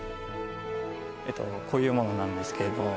ええとこういうものなんですけれど